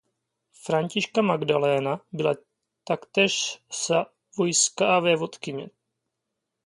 Františka Magdaléna byla taktéž savojská vévodkyně.